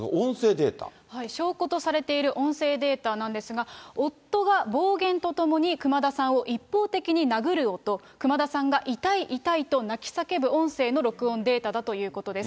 証拠とされている音声データなんですが、夫が暴言とともに熊田さんを一方的に殴る音、熊田さんが痛い、痛いと泣き叫ぶ音声の録音データだということです。